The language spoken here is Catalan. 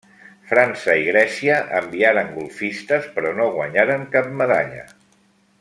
França i Grècia enviaren golfistes però no guanyaren cap medalla.